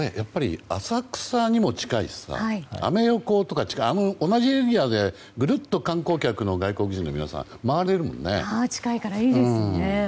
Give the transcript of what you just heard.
浅草にも近いしアメ横とか、あの同じエリアでぐるっと観光客の外国人の皆さん回れるよね。